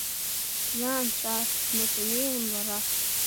Иа, Анцәа, дматанеиуан лара.